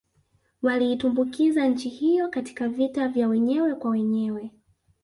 Waliitumbukiza nchi hiyo katika vita vya wenyewe kwa wenyewe